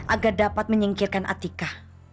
agar dapat menyingkirkan atika